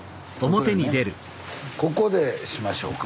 ここでしましょうか。